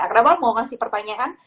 kenapa mau kasih pertanyaan